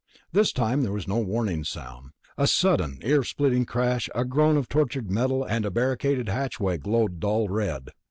This time there was no warning sound. A sudden, ear splitting crash, a groan of tortured metal, and the barricaded hatchway glowed dull red.